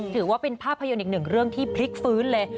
ถือว่าเป็นภาพยนตร์อีกหนึ่งเรื่องที่พลิกฟื้นเลย